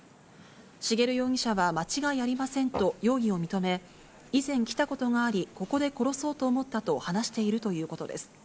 茂容疑者は、間違いありませんと容疑を認め、以前、来たことがあり、ここで殺そうと思ったと話しているということです。